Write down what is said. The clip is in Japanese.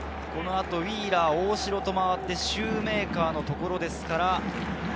このあとウィーラー、大城と回って、シューメーカーのところです。